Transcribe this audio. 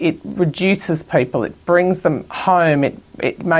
itu mengurangkan orang membawa mereka